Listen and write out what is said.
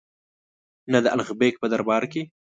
نه د الغ بېګ په دربار کې.